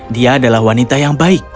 dia adalah wanita yang baik